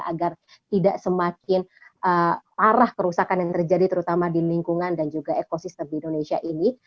agar tidak semakin parah kerusakan yang terjadi terutama di lingkungan dan juga ekosistem di indonesia ini